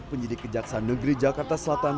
penyidik kejaksaan negeri jakarta selatan